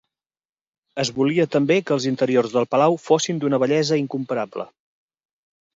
Es volia també que els interiors del palau fossin d'una bellesa incomparable.